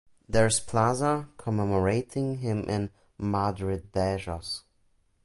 There is plaza commemorating him in Madridejos.